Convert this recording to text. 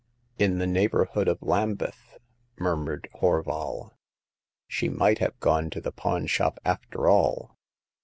In the neighborhood of Lambeth," mur mured Horval. She might have gone to the pawn shop after all."